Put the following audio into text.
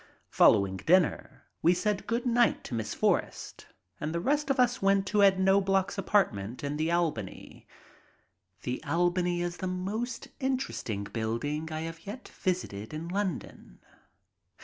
Following dinner we said "Good night" to Miss Forrest, and the rest of us went around to Ed Knobloch's apartment in the Albany. The Albany is the most interesting building I have yet visited in London.